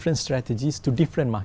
để thị trường ở việt nam